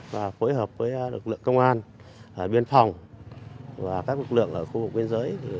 và phối hợp với lực lượng công an biên phòng và các lực lượng ở khu vực biên giới